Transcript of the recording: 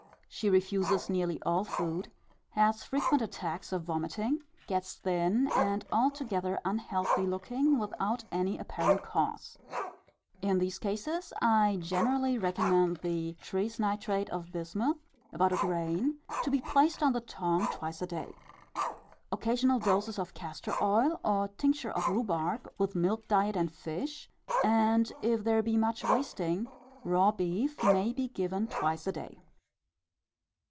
She refuses nearly all food, has frequent attacks of vomiting, gets thin and altogether unhealthy looking, without any apparent cause. In these cases, I generally recommend the trisnitrate of bismuth, about a grain, to be placed on the tongue twice a day. Occasional doses of castor oil or tincture of rhubarb, with milk diet and fish, and, if there be much wasting, raw beef may be given twice a day.